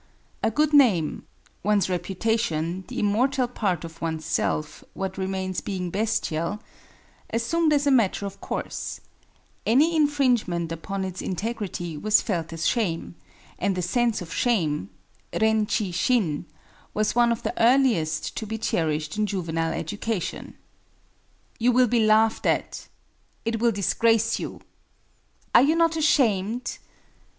A good name—one's reputation, the immortal part of one's self, what remains being bestial—assumed as a matter of course, any infringement upon its integrity was felt as shame, and the sense of shame (Ren chi shin) was one of the earliest to be cherished in juvenile education. "You will be laughed at," "It will disgrace you," "Are you not ashamed?"